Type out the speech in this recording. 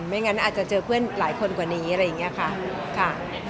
ไม่งั้นอาจจะเจอเพื่อนหลายคนกว่านี้อะไรอย่างนี้ค่ะ